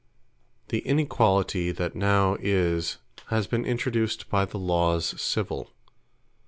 The inequallity that now is, has been introduced by the Lawes civill.